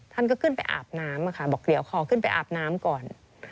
ท่านก็ขึ้นไปอาบน้ำค่ะบอกเดี๋ยวขอขึ้นไปอาบน้ำก่อน